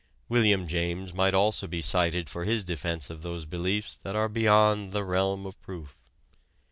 William James might also be cited for his defense of those beliefs that are beyond the realm of proof.